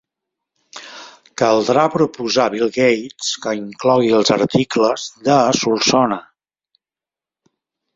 Caldrà proposar a Bill Gates que inclogui els articles de Solsona.